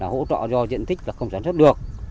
hỗ trợ do diện tích không sản xuất được